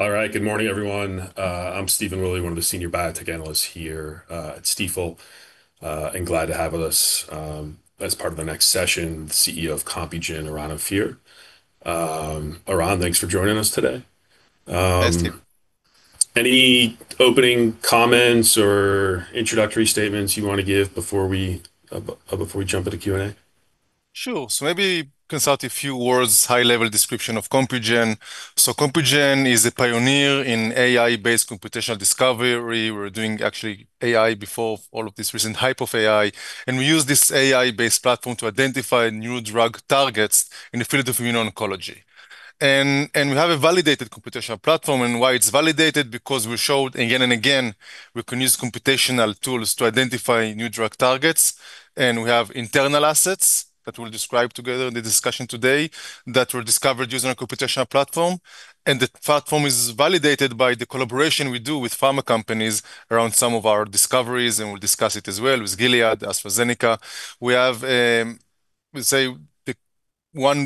All right. Good morning, everyone. I'm Stephen Willey, one of the senior biotech analysts here at Stifel. Glad to have with us, as part of the next session, the CEO of Compugen, Eran Ophir. Eran, thanks for joining us today. Thanks, Steve. Any opening comments or introductory statements you wanna give before we jump into Q&A? Sure. Maybe consult a few words, high level description of Compugen. Compugen is a pioneer in AI-based computational discovery. We're doing actually AI before all of this recent hype of AI, and we use this AI-based platform to identify new drug targets in the field of immuno-oncology. We have a validated computational platform, and why it's validated, because we showed again and again we can use computational tools to identify new drug targets. We have internal assets that we'll describe together in the discussion today that were discovered using our computational platform. The platform is validated by the collaboration we do with pharma companies around some of our discoveries, and we'll discuss it as well with Gilead, AstraZeneca. We have, we say the one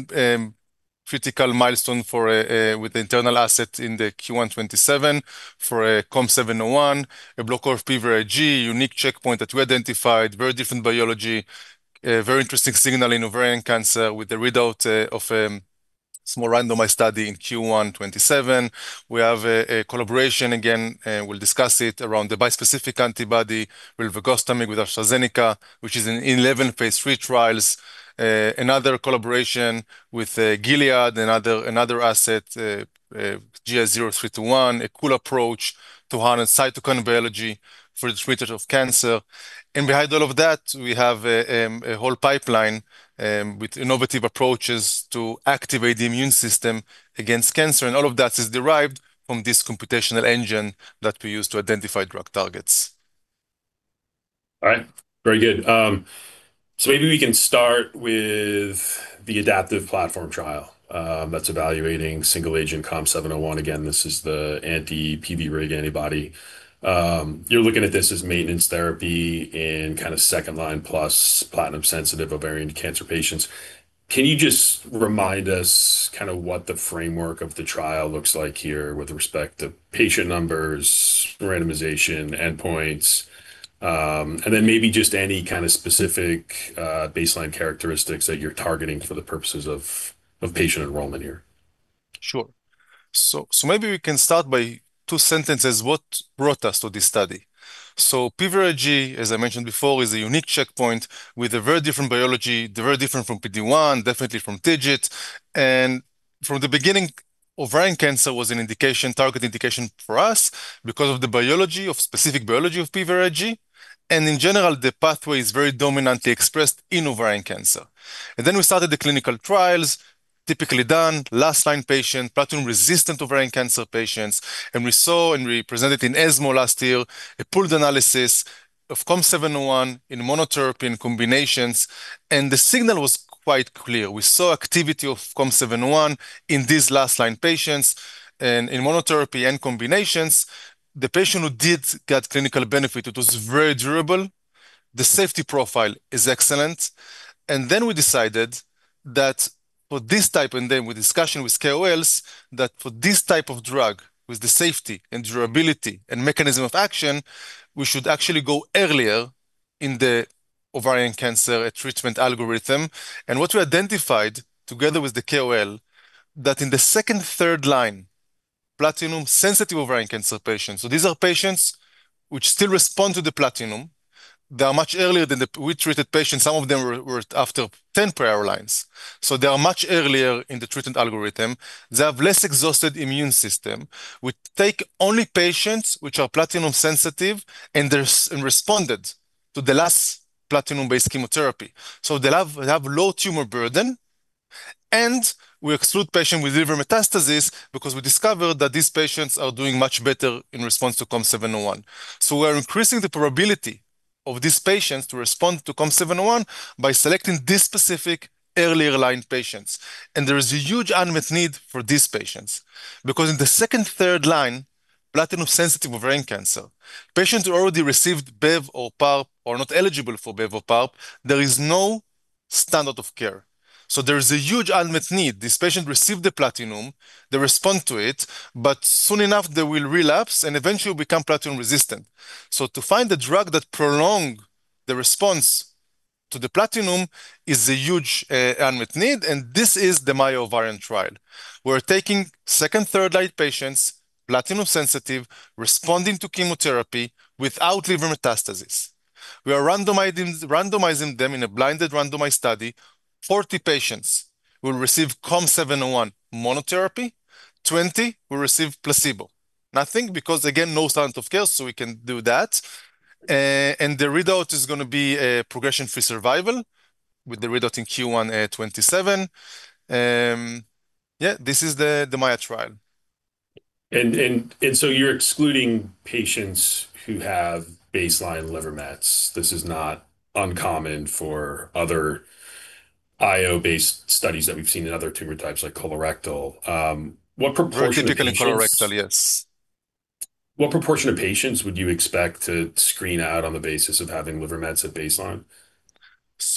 critical milestone for with the internal asset in the Q1 2027 for COM701, a blocker of PVRIG, unique checkpoint that we identified, very different biology, a very interesting signal in ovarian cancer with the readout of small randomized study in Q1 2027. We have a collaboration again, we'll discuss it around the bispecific antibody rilvegostomig with AstraZeneca, which is in 11 phase III trials. Another collaboration with Gilead, another asset, GS-0321, a cool approach to harness cytokine biology for the treatment of cancer. Behind all of that, we have a whole pipeline with innovative approaches to activate the immune system against cancer. All of that is derived from this computational engine that we use to identify drug targets. All right. Very good. Maybe we can start with the adaptive platform trial that's evaluating single agent COM701. Again, this is the anti-PVRIG antibody. You're looking at this as maintenance therapy in kind of second-line plus platinum-sensitive ovarian cancer patients. Can you just remind us kind of what the framework of the trial looks like here with respect to patient numbers, randomization, endpoints, and then maybe just any kind of specific baseline characteristics that you're targeting for the purposes of patient enrollment here? Sure. Maybe we can start by two sentences what brought us to this study. PVRIG, as I mentioned before, is a unique checkpoint with a very different biology. They're very different from PD-1, definitely from TIGIT. From the beginning, ovarian cancer was an indication, target indication for us because of the biology of specific biology of PVRIG. In general, the pathway is very dominantly expressed in ovarian cancer. We started the clinical trials typically done last line patient, platinum-resistant ovarian cancer patients. We saw and we presented in ESMO last year a pooled analysis of COM701 in monotherapy and combinations, and the signal was quite clear. We saw activity of COM701 in these last line patients and in monotherapy and combinations. The patient who did get clinical benefit, it was very durable. The safety profile is excellent. We decided with discussion with KOLs, that for this type of drug, with the safety and durability and mechanism of action, we should actually go earlier in the ovarian cancer treatment algorithm. What we identified together with the KOL, that in the second, third-line, platinum-sensitive ovarian cancer patients, so these are patients which still respond to the platinum. They are much earlier than the we treated patients. Some of them were after 10 prior lines. They are much earlier in the treatment algorithm. They have less exhausted immune system. We take only patients which are platinum sensitive and responded to the last platinum-based chemotherapy. They'll have low tumor burden, and we exclude patient with liver metastasis because we discovered that these patients are doing much better in response to COM701. We're increasing the probability of these patients to respond to COM701 by selecting this specific earlier line patients. There is a huge unmet need for these patients because in the second, third-line, platinum-sensitive ovarian cancer, patients who already received bev or PARP are not eligible for bev or PARP, there is no standard of care. There is a huge unmet need. This patient received the platinum, they respond to it, but soon enough they will relapse and eventually become platinum-resistant. To find a drug that prolong the response to the platinum is a huge unmet need, and this is the MAIA ovarian trial. We're taking second, third-line patients, platinum-sensitive, responding to chemotherapy without liver metastasis. We are randomizing them in a blinded randomized study. Forty patients will receive COM701 monotherapy, 20 will receive placebo. Nothing, because again, no standard of care, so we can do that. The readout is gonna be a progression-free survival with the readout in Q1 2027. This is the MAIA trial. You're excluding patients who have baseline liver mets. This is not uncommon for other IO-based studies that we've seen in other tumor types like colorectal. What proportion of the patients? colorectal, yes. What proportion of patients would you expect to screen out on the basis of having liver mets at baseline?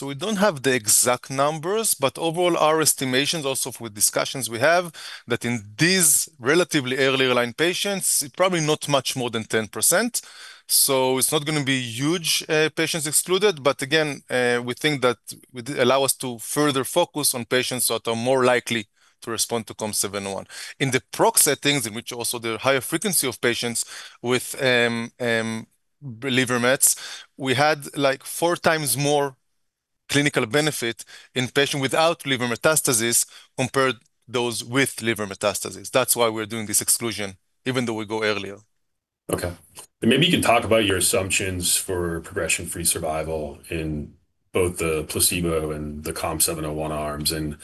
We don't have the exact numbers, but overall, our estimations also with discussions we have, that in these relatively early aligned patients, probably not much more than 10%. It's not going to be huge patients excluded, but again, we think that it allow us to further focus on patients that are more likely to respond to COM701. In the PROC settings, in which also the higher frequency of patients with liver mets, we had like 4x more clinical benefit in patient without liver metastasis compared those with liver metastasis. That's why we're doing this exclusion, even though we go earlier. Okay. Maybe you can talk about your assumptions for progression-free survival in both the placebo and the COM701 arms, and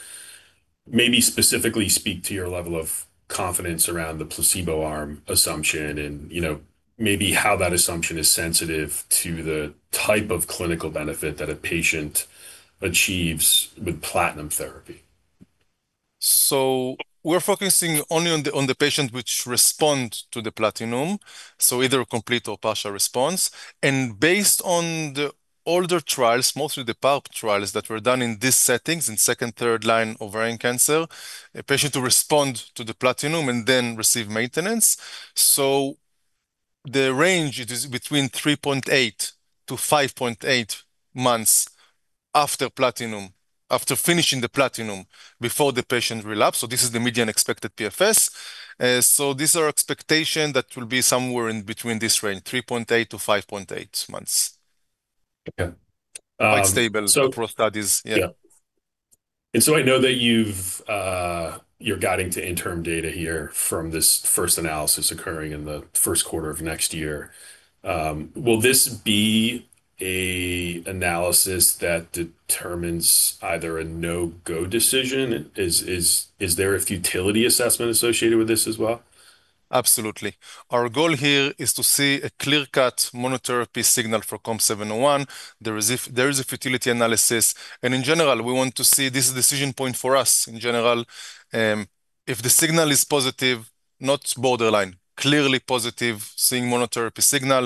maybe specifically speak to your level of confidence around the placebo arm assumption and, you know, maybe how that assumption is sensitive to the type of clinical benefit that a patient achieves with platinum therapy. We're focusing only on the patient which respond to the platinum, so either complete or partial response. Based on the older trials, mostly the PARP trials that were done in these settings in second, third-line ovarian cancer, a patient who respond to the platinum and then receive maintenance. The range, it is between 3.8 to 5.8 months after finishing the platinum before the patient relapse. This is the median expected PFS. This is our expectation that will be somewhere in between this range, 3.8 to 5.8 months. Okay. Quite stable across studies. Yeah. Yeah. I know that you've, you're guiding to interim data here from this first analysis occurring in the first quarter of next year. Will this be a analysis that determines either a no-go decision? Is there a futility assessment associated with this as well? Absolutely. Our goal here is to see a clear-cut monotherapy signal for COM701. There is a futility analysis. In general, we want to see this decision point for us in general, if the signal is positive, not borderline, clearly positive, seeing monotherapy signal,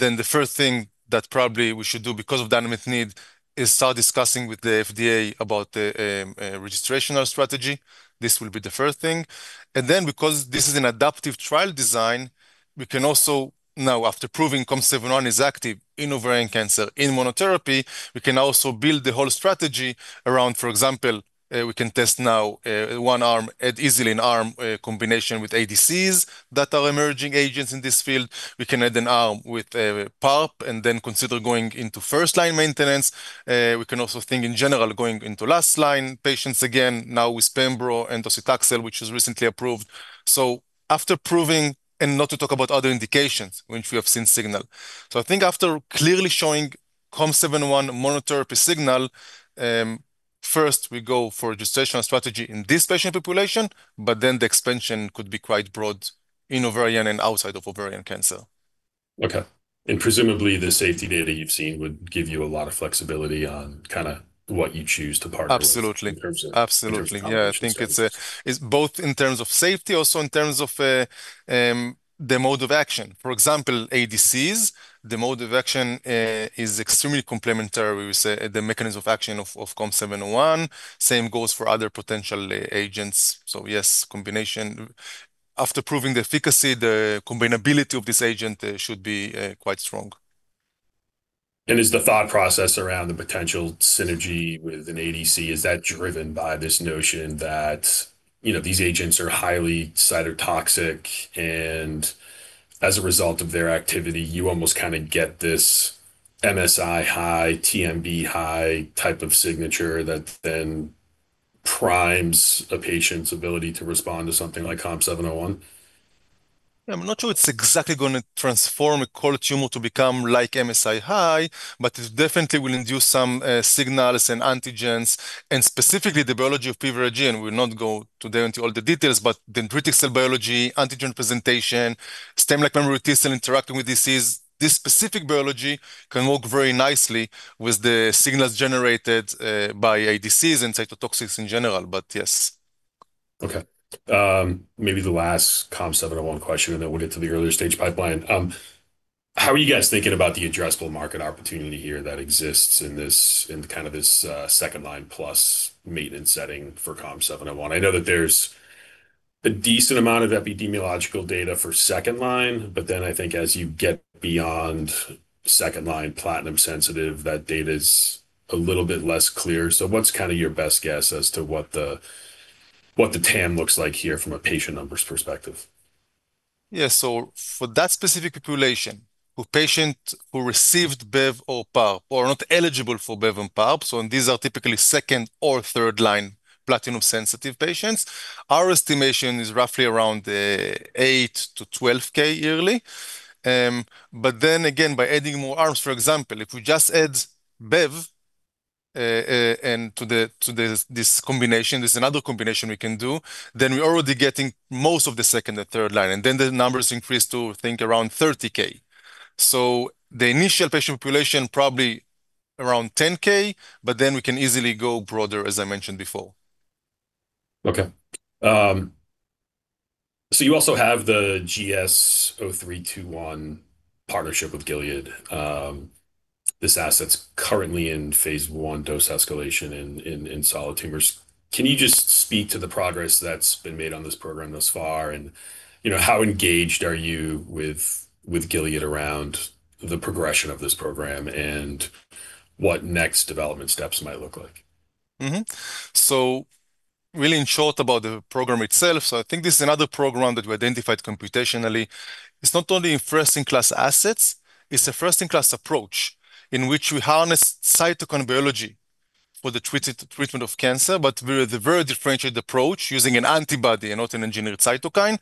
then the first thing that probably we should do because of dynamic need is start discussing with the FDA about the registrational strategy. This will be the first thing. Then because this is an adaptive trial design, we can also now after proving COM701 is active in ovarian cancer in monotherapy, we can also build the whole strategy around, for example, we can test now one arm, easily an arm, combination with ADCs that are emerging agents in this field. We can add an arm with PARP and then consider going into first-line maintenance. We can also think in general going into last line patients again now with pembro and docetaxel, which was recently approved. After proving and not to talk about other indications, which we have seen signal, I think after clearly showing COM701 monotherapy signal, first we go for registrational strategy in this patient population, but then the expansion could be quite broad in ovarian and outside of ovarian cancer. Okay. Presumably the safety data you've seen would give you a lot of flexibility on kinda what you choose to partner with... Absolutely. in terms of... Absolutely. in terms of combination therapies. I think it's both in terms of safety, also in terms of the mode of action. For example, ADCs, the mode of action is extremely complementary with the mechanism of action of COM701. Same goes for other potential agents. Yes, combination. After proving the efficacy, the combinability of this agent should be quite strong. Is the thought process around the potential synergy with an ADC, is that driven by this notion that, you know, these agents are highly cytotoxic, and as a result of their activity, you almost kinda get this MSI-H, TMB high type of signature that then primes a patient's ability to respond to something like COM701? Yeah, I'm not sure it's exactly gonna transform a cold tumor to become like MSI-H, but it definitely will induce some signals and antigens, and specifically the biology of PVRIG. We'll not go today into all the details, but dendritic cell biology, antigen presentation, stem-like memory T cell interacting with disease. This specific biology can work very nicely with the signals generated by ADCs and cytotoxics in general, but yes. Okay. Maybe the last COM701 question, and then we'll get to the earlier stage pipeline. How are you guys thinking about the addressable market opportunity here that exists in kind of this second-line plus maintenance setting for COM701? I know that there's a decent amount of epidemiological data for second-line, but then I think as you get beyond second-line platinum-sensitive, that data's a little bit less clear. What's kind of your best guess as to what the TAM looks like here from a patient numbers perspective? Yeah. For that specific population, a patient who received bev or PARP or are not eligible for bev and PARP, these are typically second or third-line platinum-sensitive patients, our estimation is roughly around 8,000-12,000 yearly. But then again, by adding more arms, for example, if we just add bev to this combination, this is another combination we can do, we're already getting most of the second or third-line, the numbers increase to think around 30,000. The initial patient population probably around 10,000, we can easily go broader, as I mentioned before. Okay. You also have the GS-0321 partnership with Gilead. This asset's currently in phase I dose escalation in solid tumors. Can you just speak to the progress that's been made on this program thus far? You know, how engaged are you with Gilead around the progression of this program and what next development steps might look like? Mm-hmm. Really in short about the program itself, so I think this is another program that we identified computationally. It's not only a first-in-class asset, it's a first-in-class approach in which we harness cytokine biology for the treatment of cancer, with a very differentiated approach using an antibody and not an engineered cytokine.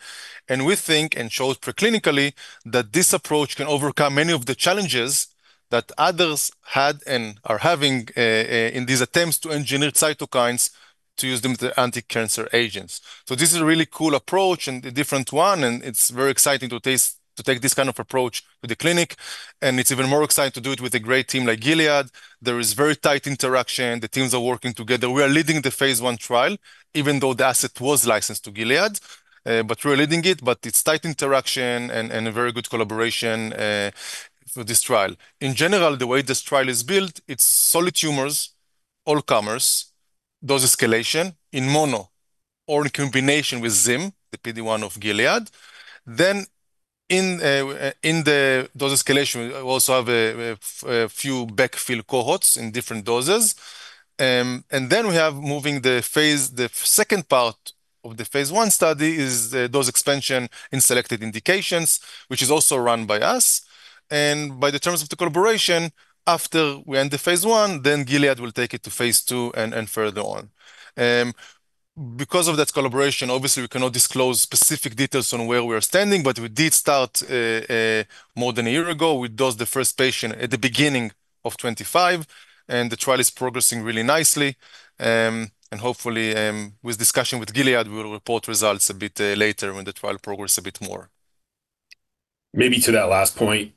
We think, and showed preclinically, that this approach can overcome many of the challenges that others had and are having in these attempts to engineer cytokines to use them as the anticancer agents. This is a really cool approach and a different one, and it's very exciting to take this kind of approach to the clinic, and it's even more exciting to do it with a great team like Gilead. There is very tight interaction. The teams are working together. We are leading the phase I trial, even though the asset was licensed to Gilead. We're leading it, but it's tight interaction and a very good collaboration for this trial. In general, the way this trial is built, it's solid tumors, all comers, dose escalation in mono or in combination with zim, the PD-1 of Gilead. In the dose escalation, we also have a few backfill cohorts in different doses. We have the second part of the phase I study is the dose expansion in selected indications, which is also run by us. By the terms of the collaboration, after we end the phase I, Gilead will take it to phase II and further on. Because of that collaboration, obviously, we cannot disclose specific details on where we're standing, but we did start more than a year ago. We dosed the first patient at the beginning of 2025, and the trial is progressing really nicely. Hopefully, with discussion with Gilead, we'll report results a bit later when the trial progress a bit more. Maybe to that last point,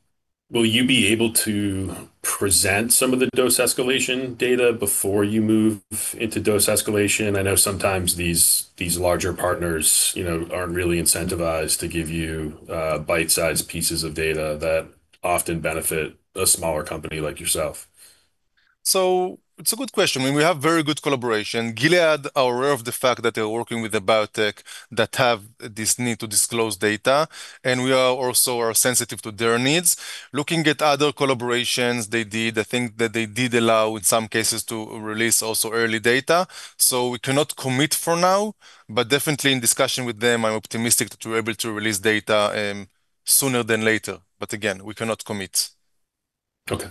will you be able to present some of the dose escalation data before you move into dose escalation? I know sometimes these larger partners, you know, aren't really incentivized to give you bite-sized pieces of data that often benefit a smaller company like yourself. It's a good question. I mean, we have very good collaboration. Gilead are aware of the fact that they're working with a biotech that have this need to disclose data, and we are also sensitive to their needs. Looking at other collaborations they did, I think that they did allow in some cases to release also early data. We cannot commit for now, but definitely in discussion with them, I'm optimistic that we're able to release data sooner than later. Again, we cannot commit. Okay.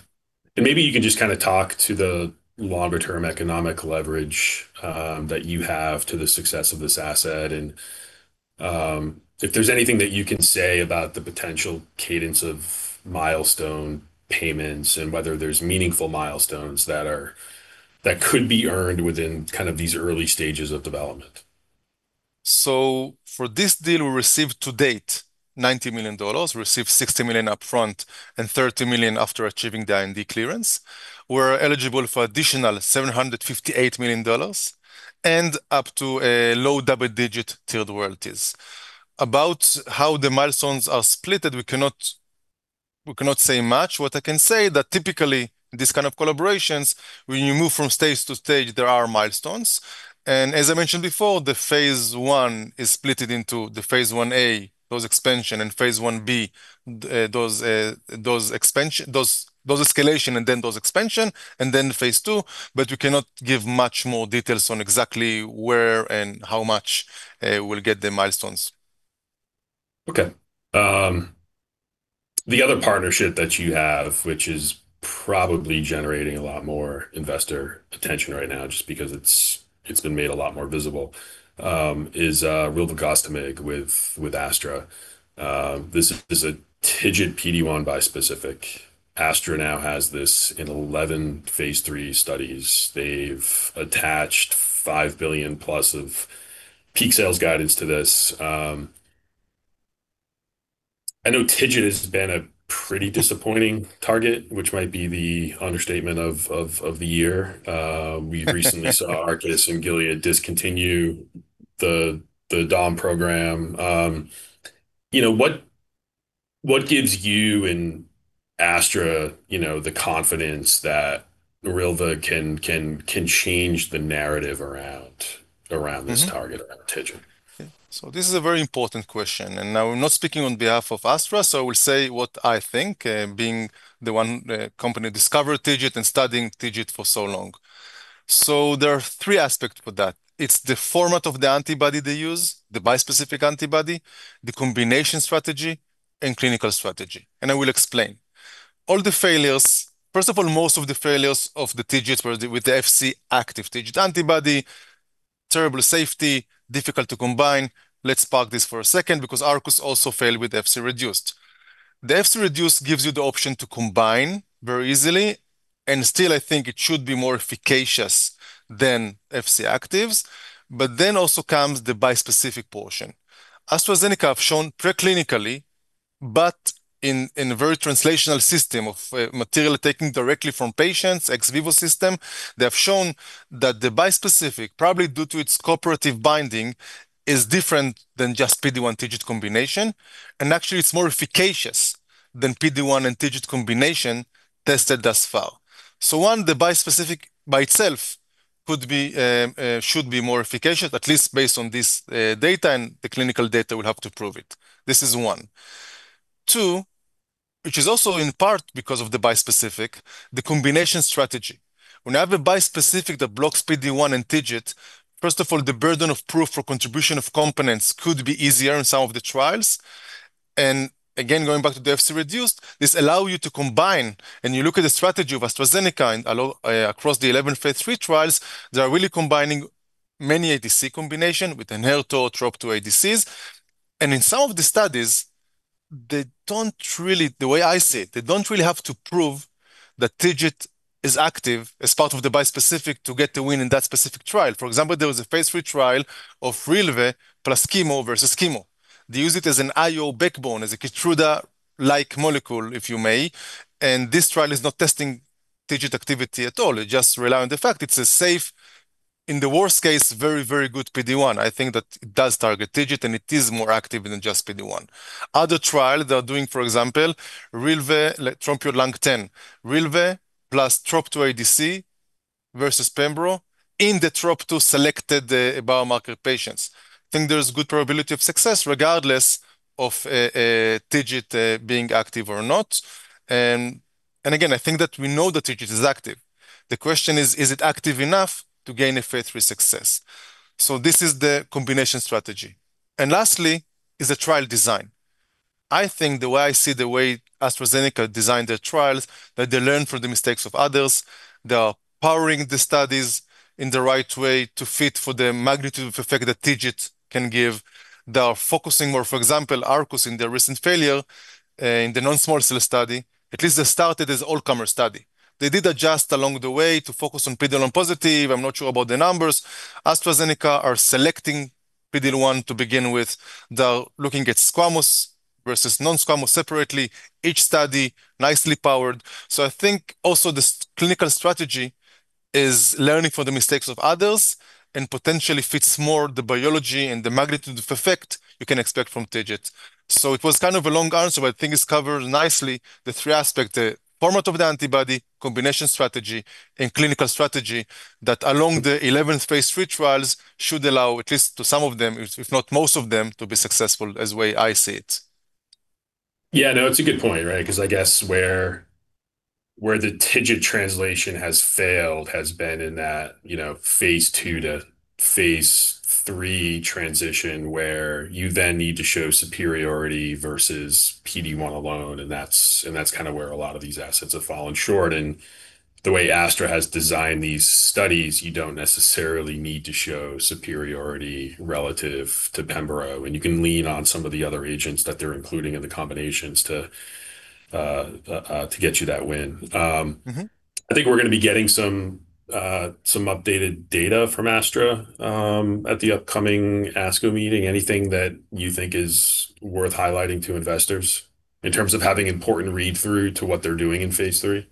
Maybe you can just kind of talk to the longer term economic leverage that you have to the success of this asset, and if there's anything that you can say about the potential cadence of milestone payments and whether there's meaningful milestones that could be earned within kind of these early stages of development. For this deal, we received to date $90 million. We received $60 million upfront and $30 million after achieving the IND clearance. We're eligible for additional $758 million and up to a low double-digit tiered royalties. About how the milestones are splitted, we cannot say much. What I can say that typically these kind of collaborations, when you move from stage to stage, there are milestones. As I mentioned before, the phase I is splitted into the phase I-A, dose expansion, and phase I-B, dose escalation and then dose expansion, and then phase II. We cannot give much more details on exactly where and how much we'll get the milestones. The other partnership that you have, which is probably generating a lot more investor attention right now just because it's been made a lot more visible, is rilvegostomig with Astra. This is a TIGIT PD-1 bispecific. Astra now has this in 11 phase III studies. They've attached $5+ billion of peak sales guidance to this. I know TIGIT has been a pretty disappointing target, which might be the understatement of the year. We recently saw Arcus and Gilead discontinue the dom program. You know, what gives you and Astra, you know, the confidence that rilve can change the narrative around this target, around TIGIT? This is a very important question. Now I'm not speaking on behalf of Astra, so I will say what I think, being the one company discover TIGIT and studying TIGIT for so long. There are three aspects for that. It's the format of the antibody they use, the bispecific antibody, the combination strategy, and clinical strategy, and I will explain. First of all, most of the failures of the TIGIT were with the Fc-active TIGIT antibody, terrible safety, difficult to combine. Let's park this for a second because Arcus also failed with Fc-reduced. The Fc-reduced gives you the option to combine very easily, and still I think it should be more efficacious than Fc-actives. Also comes the bispecific portion. AstraZeneca have shown preclinically. In a very translational system of material taking directly from patients, ex vivo system, they have shown that the bispecific, probably due to its cooperative binding, is different than just PD-1 TIGIT combination, and actually it's more efficacious than PD-1 and TIGIT combination tested thus far. One, the bispecific by itself could be, should be more efficacious, at least based on this data, and the clinical data will have to prove it. This is one. Two, which is also in part because of the bispecific, the combination strategy. When you have a bispecific that blocks PD-1 and TIGIT, first of all, the burden of proof for contribution of components could be easier in some of the trials. Again, going back to the Fc-reduced, this allow you to combine, and you look at the strategy of AstraZeneca across the 11 phase III trials, they are really combining many ADC combination with ENHERTU TROP2 ADCs. In some of the studies, the way I see it, they don't really have to prove that TIGIT is active as part of the bispecific to get the win in that specific trial. For example, there was a phase III trial of rilve plus chemo versus chemo. They use it as an IO backbone, as a KEYTRUDA-like molecule, if you may, and this trial is not testing TIGIT activity at all. It just rely on the fact it's a safe, in the worst case, very good PD-1. I think that it does target TIGIT, and it is more active than just PD-1. Other trial they are doing, for example, rilve, TROPION-Lung10, rilve plus TROP2 ADC versus pembro in the TROP2-selected biomarker patients. I think there is good probability of success regardless of TIGIT being active or not. Again, I think that we know that TIGIT is active. The question is it active enough to gain a phase III success? This is the combination strategy. Lastly is the trial design. I think the way I see the way AstraZeneca designed their trials, that they learn from the mistakes of others. They are powering the studies in the right way to fit for the magnitude of effect that TIGIT can give. They are focusing more, for example, Arcus in their recent failure in the non-small cell study. At least they started as all-comer study. They did adjust along the way to focus on PD-L1 positive. I'm not sure about the numbers. AstraZeneca are selecting PD-L1 to begin with. They are looking at squamous versus non-squamous separately, each study nicely powered. I think also this clinical strategy is learning from the mistakes of others and potentially fits more the biology and the magnitude of effect you can expect from TIGIT. It was kind of a long answer, but I think it's covered nicely the three aspects, the format of the antibody, combination strategy, and clinical strategy that along the 11 phase III trials should allow at least to some of them, if not most of them, to be successful as way I see it. Yeah, no, it's a good point, right? 'Cause I guess where the TIGIT translation has failed has been in that, you know, phase II to phase III transition where you then need to show superiority versus PD-1 alone, and that's kind of where a lot of these assets have fallen short. The way Astra has designed these studies, you don't necessarily need to show superiority relative to pembro, and you can lean on some of the other agents that they're including in the combinations to get you that win. I think we're gonna be getting some updated data from Astra at the upcoming ASCO meeting. Anything that you think is worth highlighting to investors in terms of having important read-through to what they're doing in phase III?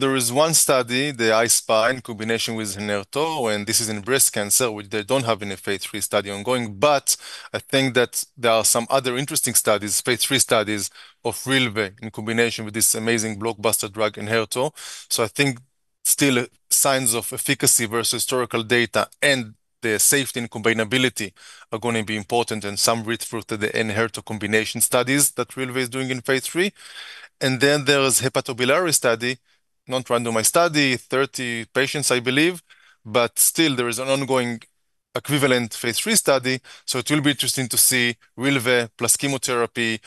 There is one study, the I-SPY, combination with ENHERTU, and this is in breast cancer, which they don't have any phase III study ongoing. I think that there are some other interesting studies, phase III studies of rilve in combination with this amazing blockbuster drug ENHERTU. I think still signs of efficacy versus historical data and the safety and combinability are gonna be important and some read-through to the ENHERTU combination studies that rilve is doing in phase III. There is hepatobiliary study, non-randomized study, 30 patients, I believe. Still, there is an ongoing equivalent phase III study, it will be interesting to see rilve plus chemotherapy.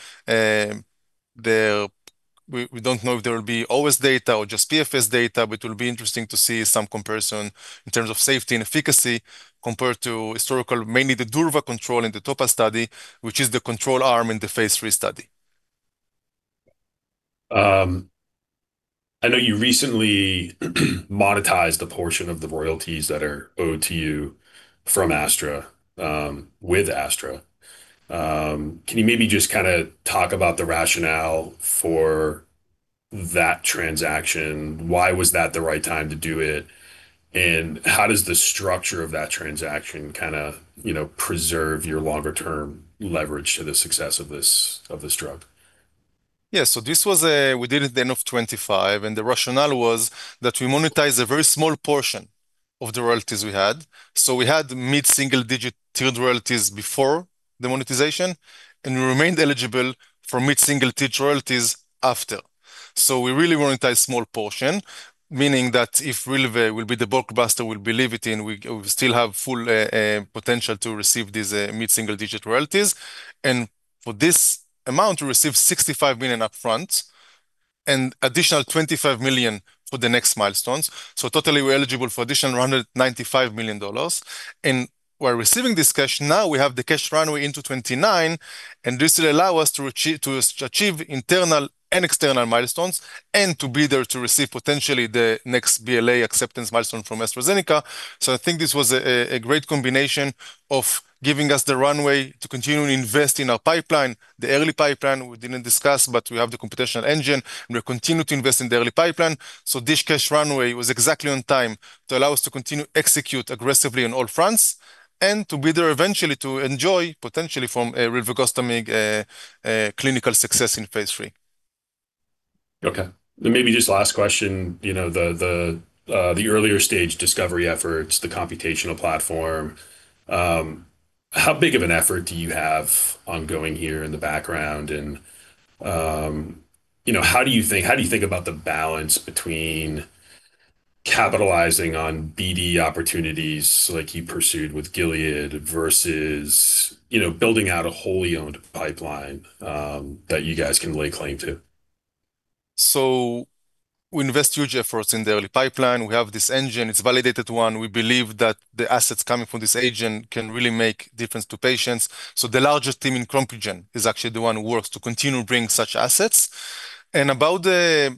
We don't know if there will be OS data or just PFS data, it will be interesting to see some comparison in terms of safety and efficacy compared to historical, mainly the durva control in the TOPAZ-1 study, which is the control arm in the phase III study. I know you recently monetized a portion of the royalties that are owed to you from Astra, with Astra. Can you maybe just talk about the rationale for that transaction? Why was that the right time to do it? How does the structure of that transaction preserve your longer-term leverage to the success of this drug? Yeah. This was we did it at the end of 2025, and the rationale was that we monetize a very small portion of the royalties we had. We had mid-single digit tiered royalties before the monetization, and we remained eligible for mid-single digit royalties after. We really monetize small portion, meaning that if rilve will be the blockbuster we believe it in, we still have full potential to receive these mid-single digit royalties. For this amount, we receive $65 million upfront. Additional $25 million for the next milestones. Totally we're eligible for additional $195 million. We're receiving this cash now, we have the cash runway into 2029, and this will allow us to achieve internal and external milestones and to be there to receive potentially the next BLA acceptance milestone from AstraZeneca. I think this was a great combination of giving us the runway to continue and invest in our pipeline. The early pipeline we didn't discuss, but we have the computational engine, and we'll continue to invest in the early pipeline. This cash runway was exactly on time to allow us to continue execute aggressively on all fronts and to be there eventually to enjoy potentially from rilvegostomig clinical success in phase III. Okay. Maybe just last question, you know, the earlier stage discovery efforts, the computational platform, how big of an effort do you have ongoing here in the background? You know, how do you think about the balance between capitalizing on BD opportunities like you pursued with Gilead versus, you know, building out a wholly owned pipeline that you guys can lay claim to? We invest huge efforts in the early pipeline. We have this engine, it's a validated one. We believe that the assets coming from this agent can really make difference to patients. The largest team in Compugen is actually the one who works to continue bring such assets. About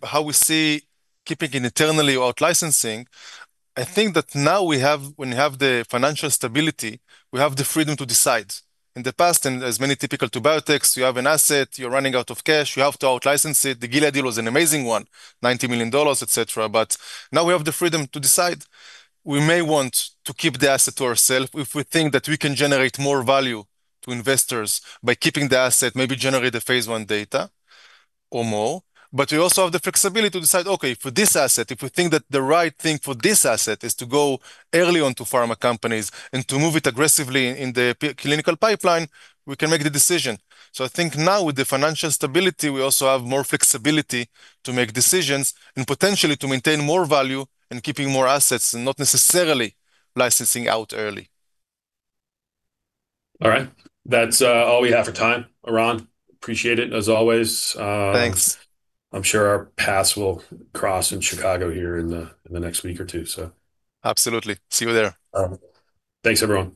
how we see keeping it internally or out-licensing, I think that now when we have the financial stability, we have the freedom to decide. In the past, and as many typical to biotechs, you have an asset, you're running out of cash, you have to out-license it. The Gilead deal was an amazing one, $90 million, et cetera. Now we have the freedom to decide. We may want to keep the asset to ourselves if we think that we can generate more value to investors by keeping the asset, maybe generate a phase I data or more. We also have the flexibility to decide, okay, for this asset, if we think that the right thing for this asset is to go early on to pharma companies and to move it aggressively in the clinical pipeline, we can make the decision. I think now with the financial stability, we also have more flexibility to make decisions and potentially to maintain more value and keeping more assets and not necessarily licensing out early. All right. That's all we have for time. Eran, appreciate it as always. Thanks. I'm sure our paths will cross in Chicago here in the next week or two, so. Absolutely. See you there. Thanks, everyone.